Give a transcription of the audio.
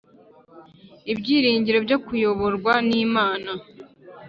Ibyiringiro byo kuyoborwa n'Imana